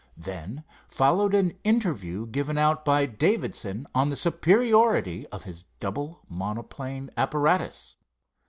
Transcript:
Then followed an interview given out by Davidson on the superiority of his double monoplane apparatus.